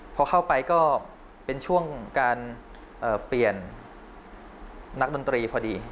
พอเข้าไปก็เป็นช่วงการเปลี่ยนนักดนตรีพอดี